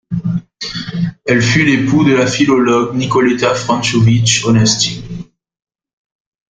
Elle fut l'époux de la philologue Nicoletta Francovich Onesti.